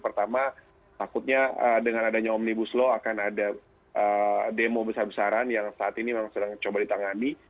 pertama takutnya dengan adanya omnibus law akan ada demo besar besaran yang saat ini memang sedang coba ditangani